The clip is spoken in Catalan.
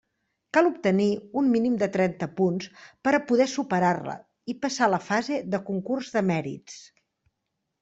Cal obtenir un mínim de trenta punts per a poder superar-la i passar a la fase de concurs de mèrits.